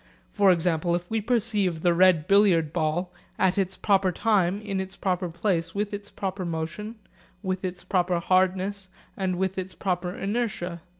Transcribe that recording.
For example, we perceive the red billiard ball at its proper time, in its proper place, with its proper motion, with its proper hardness, and with its proper inertia.